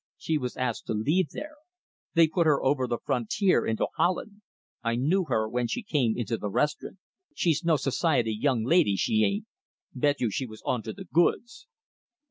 She was asked to leave there. They put her over the frontier into Holland. I knew her when she came into the restaurant. She's no society young lady, she ain't! Bet you she was on to the goods."